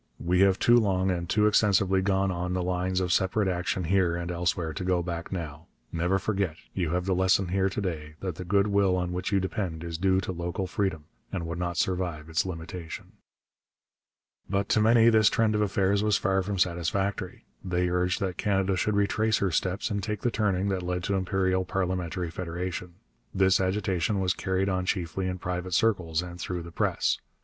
We have too long and too extensively gone on the lines of separate action here and elsewhere to go back now. Never forget you have the lesson here to day that the good will on which you depend is due to local freedom, and would not survive its limitation. But to many this trend of affairs was far from satisfactory. They urged that Canada should retrace her steps and take the turning that led to imperial parliamentary federation. This agitation was carried on chiefly in private circles and through the press.